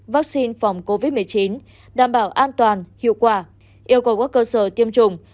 vaccine phòng covid một mươi chín đảm bảo an toàn hiệu quả yêu cầu các cơ sở tiêm chủng